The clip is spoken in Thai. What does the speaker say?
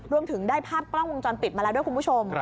รวมถึงได้ภาพกล้องวงจรปิดมาแล้วด้วยคุณผู้ชม